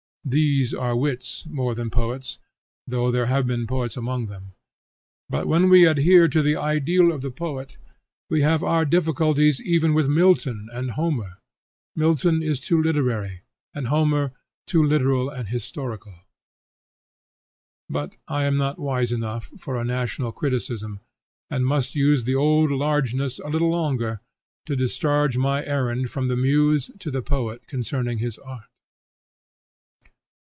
These are wits more than poets, though there have been poets among them. But when we adhere to the ideal of the poet, we have our difficulties even with Milton and Homer. Milton is too literary, and Homer too literal and historical. But I am not wise enough for a national criticism, and must use the old largeness a little longer, to discharge my errand from the muse to the poet concerning his art.